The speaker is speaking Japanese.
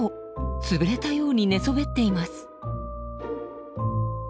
潰れたように寝そべっています。